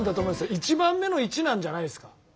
１番目の「いち」なんじゃないですか？